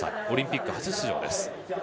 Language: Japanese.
オリンピック初出場です。